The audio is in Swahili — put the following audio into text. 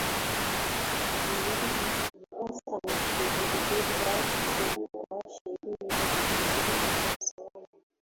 william schabas amependekeza kuwekwa sheria ya kulinda usalama